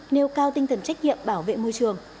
nêu cao tinh thần trách nhiệm bảo vệ môi trường